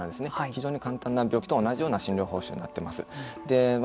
非常に簡単な病気と同じような診療報酬になっています。